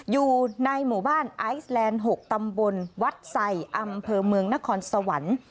อยู่ในหมู่บ้านไอซแลนด์๖ตำบลวัดใส่อำเภอเมืองนครสวรรค์